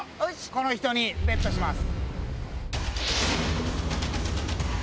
この人にＢＥＴします。